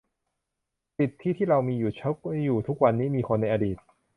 สิทธิที่เรามีอยู่ ใช้อยู่ ทุกวันนี้ มีคนในอดีต